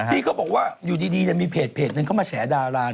ที่เขาบอกว่าอยู่ดีมีเพจนึงเข้ามาแฉดารา